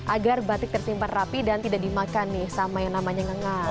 agar batik tersimpan rapi dan tidak dimakan nih sama yang namanya ngengar